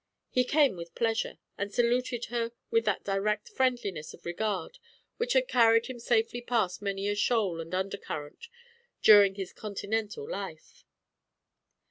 He came with pleasure and saluted her with that direct friendliness of regard which had carried him safely past many a shoal and undercurrent during his continental life.